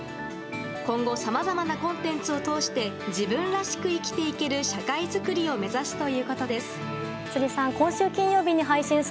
今後さまざまなコンテンツを通して自分らしく生きていける社会作りを目指すということです。